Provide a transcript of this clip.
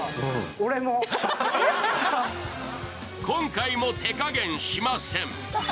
今回も手加減しません！